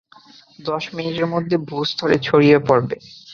দশ মিনিটের মধ্যে ভু-স্তরে ছড়িয়ে পড়বে।